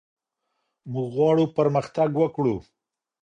موږ غواړو پرمختګ وکړو.